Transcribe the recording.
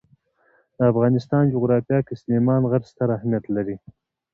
د افغانستان جغرافیه کې سلیمان غر ستر اهمیت لري.